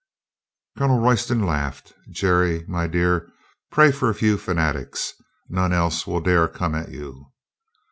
Colonel Royston laughed. "Jerry, my dear, pray for a few fanatics. None else will dare come at you."